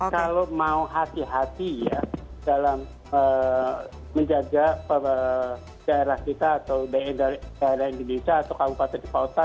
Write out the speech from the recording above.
kalau mau hati hati ya dalam menjaga daerah kita atau daerah indonesia atau kabupaten kota